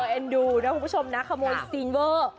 เอ็นดูนะคุณผู้ชมนะขโมยซีนเวอร์